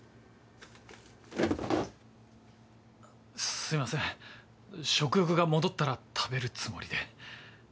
すいません食欲が戻ったら食べるつもりで。